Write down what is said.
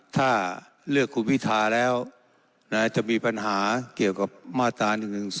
ถ้าเลือกคุณพิทาแล้วจะมีปัญหาเกี่ยวกับมาตรา๑๑๒